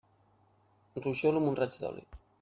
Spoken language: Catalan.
Ruixeu-lo amb un raig d'oli.